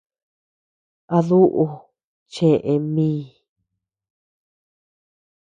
A duuʼu chee míi.